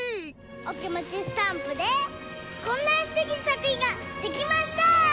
「おきもちスタンプ」でこんなすてきなさくひんができました！